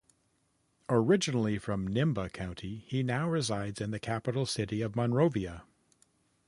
Originally from Nimba County, he now resides in the capital city of Monrovia.